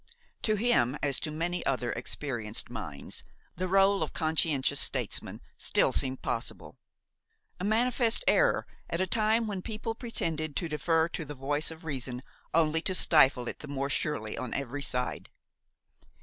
To him, as to many other experienced minds, the rôle of conscientious statesman still seemed possible. A manifest error at a time when people pretended to defer to the voice of reason only to stifle it the more surely on every side.